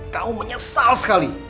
kamu menyesal sekali